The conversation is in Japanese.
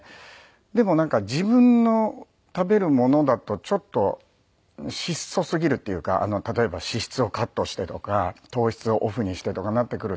でもなんか自分の食べるものだとちょっと質素すぎるっていうか例えば脂質をカットしてとか糖質をオフにしてとかなってくると。